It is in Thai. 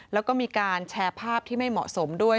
แล้วก็มีการแชร์ภาพที่ไม่เหมาะสมด้วย